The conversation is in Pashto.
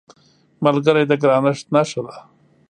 ملګری د ګرانښت نښه ده